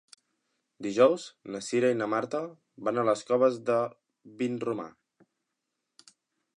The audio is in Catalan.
Dijous na Cira i na Marta van a les Coves de Vinromà.